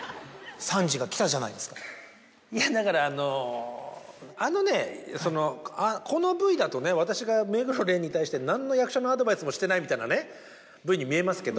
いやだからあのあのねこのＶＴＲだとね私が目黒蓮に対して何の役者のアドバイスもしてないみたいなＶＴＲに見えますけど。